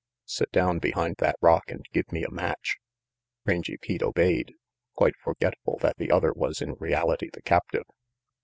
"Sit down behind that rock and give me a match." Rangy Pete obeyed, quite forgetful that the other was in reality the captive.